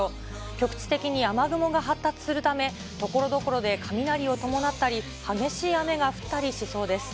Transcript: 局地的に雨雲が発達するため、ところどころで雷を伴ったり、激しい雨が降ったりしそうです。